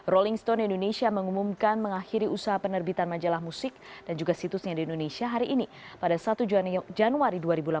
rolling stone indonesia mengumumkan mengakhiri usaha penerbitan majalah musik dan juga situsnya di indonesia hari ini pada satu januari dua ribu delapan belas